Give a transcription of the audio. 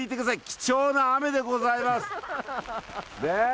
貴重な雨でございます。